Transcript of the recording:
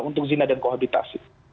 untuk zina dan kohabitasi